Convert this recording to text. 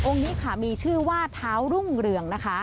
นี้ค่ะมีชื่อว่าเท้ารุ่งเรืองนะคะ